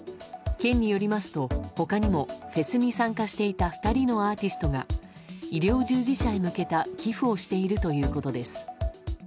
県によりますと他にもフェスに参加していた２人のアーティストが医療従事者へ向けた寄付をしているということです。